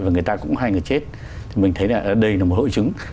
và người ta cũng hai người chết mình thấy là đây là một hội chứng